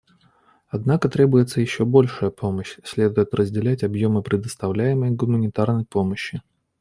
Однако требуется еще большая помощь; следует расширять объемы предоставляемой гуманитарной помощи.